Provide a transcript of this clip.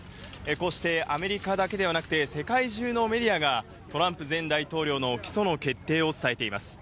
こうしてアメリカだけではなくて世界中のメディアがトランプ前大統領の起訴の決定を伝えています。